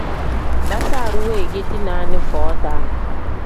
Basaru wengeti naani foo-daa.